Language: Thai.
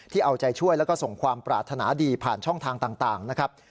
เอาใจช่วยแล้วก็ส่งความปรารถนาดีผ่านช่องทางต่างนะครับ